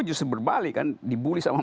justru berbalik kan dibully sama